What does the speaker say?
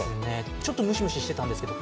ちょっとムシムシしてたんですけど、